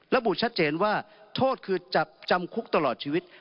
ระบุชัดเจนว่าโทษคือจับจำคุกตลอดชีวิต